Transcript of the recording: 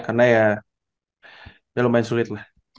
karena ya ya lumayan sulit lah